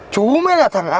chú mới là thằng ác ma